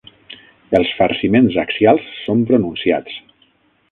Els farciments axials són pronunciats.